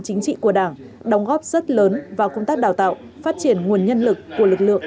chính trị của đảng đóng góp rất lớn vào công tác đào tạo phát triển nguồn nhân lực của lực lượng